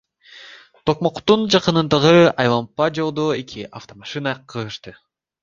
Токмоктун жакынындагы айлампа жолдо эки автомашина кагышты.